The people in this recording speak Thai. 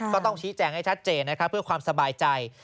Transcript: ก็ต้องชี้แจงให้ชัดเจนนะครับเพื่อความสบายใจ